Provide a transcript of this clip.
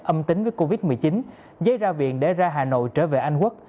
âm tính với covid một mươi chín giấy ra viện để ra hà nội trở về anh quốc